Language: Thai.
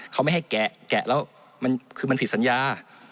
เขาไม่ให้แกะแล้วมันคือมันผิดสัญญา